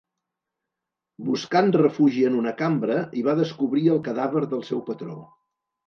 Buscant refugi en una cambra, hi va descobrir el cadàver del seu patró.